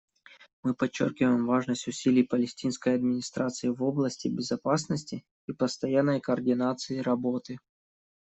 Мы подчеркиваем важность усилий Палестинской администрации в области безопасности и постоянной координации работы.